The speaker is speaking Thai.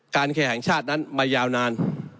แคแห่งชาตินั้นมายาวนาน